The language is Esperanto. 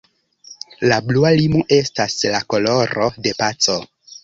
La blua limo estas la koloro de paco.